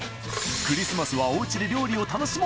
クリスマスはお家で料理を楽しもう。